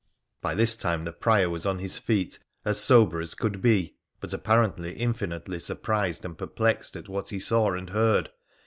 By this time the Prior was on his feet, as sober as could be, but apparently infinitely surprised and perplexed at what he saw and heard.